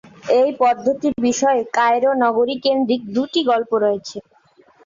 এই পদ্ধতি বিষয়ে কায়রো নগরী কেন্দ্রিক দুটি গল্প রয়েছে।